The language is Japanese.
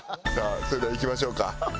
それではいきましょうか。